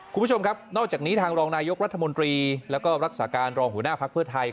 คุณผู้ชมครับนอกจากนี้ทางรองนายกรัฐมนตรีแล้วก็รักษาการรองหัวหน้าภักดิ์เพื่อไทย